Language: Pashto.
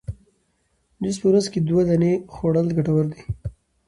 جوز په ورځ کي دوې دانې خوړل ګټور دي